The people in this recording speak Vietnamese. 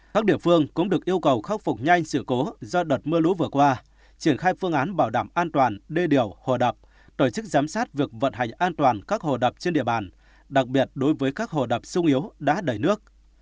các địa phương cũng được yêu cầu khắc phục nhanh sự cố do đợt mưa lũ vừa qua triển khai phương án bảo đảm an toàn đê điều hồ đập tổ chức giám sát việc vận hành an toàn các hồ đập trên địa bàn đặc biệt đối với các hồ đập sung yếu đã đầy nước